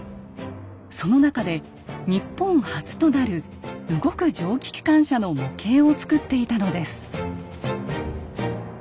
その中で日本初となる動く蒸気機関車の模型を作っていたのです。